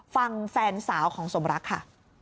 ฟังแฟนสาวของสมรักค่ะ